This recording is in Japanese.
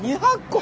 ２００個！？